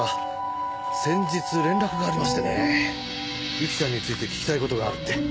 ゆきちゃんについて聞きたい事があるって。